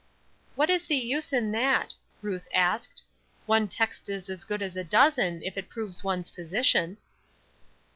"What is the use in that?" Ruth asked. "One text is as good as a dozen if it proves one's position."